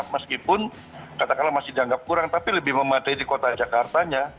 meskipun katakanlah masih dianggap kurang tapi lebih memadai di kota jakartanya